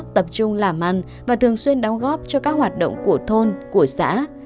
tập trung làm ăn và thường xuyên đóng góp cho các hoạt động của thôn của xã